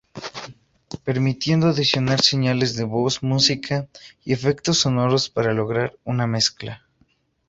Permitiendo adicionar señales de voz, música y efectos sonoros, para lograr una "mezcla".